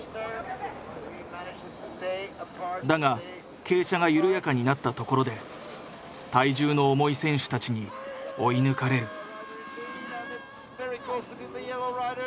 だが傾斜が緩やかになったところで体重の重い選手たちに追い抜かれる。